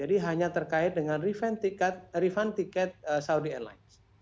jadi hanya terkait dengan refund tiket saudi airlines